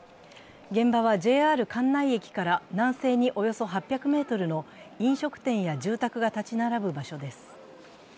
現場はＪＲ関内駅から南西におよそ８００ｍの飲食店や住宅が建ち並ぶ場所です。